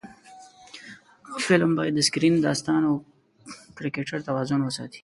فلم باید د سکرېن، داستان او کرکټر توازن وساتي